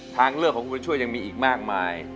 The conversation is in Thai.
ทางเลือกของคุณบุญช่วยยังมีอีกมากมาย